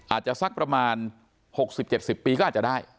สักประมาณ๖๐๗๐ปีก็อาจจะได้